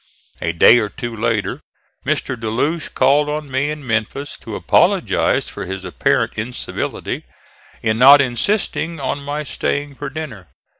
A day or two later Mr. De Loche called on me in Memphis to apologize for his apparent incivility in not insisting on my staying for dinner.